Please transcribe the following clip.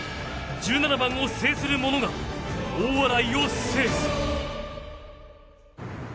１７番を制する者が大洗を制す。